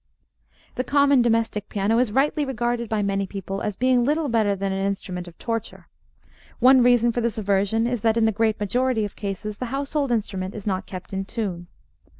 The common domestic piano is rightly regarded by many people as being little better than an instrument of torture. One reason for this aversion is that, in the great majority of cases, the household instrument is not kept in tune.